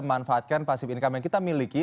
memanfaatkan pasif income yang kita miliki